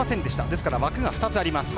ですから枠が２つあります。